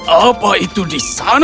apa itu di sana